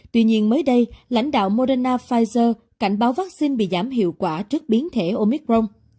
tuy nhiên mới đây lãnh đạo moderna pfizer cảnh báo vaccine bị giảm hiệu quả trước biến thể omicron